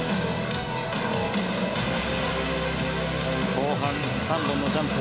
後半、３本のジャンプ。